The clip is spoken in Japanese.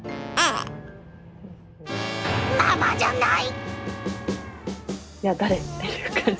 ママじゃない！